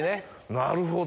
なるほど。